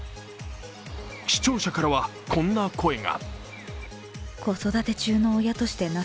視聴者からはこんな声が。